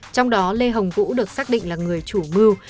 trong đó lê hồng vũ được xác định là người chủ mưu